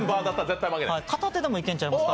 片手でもいけんちゃいますか。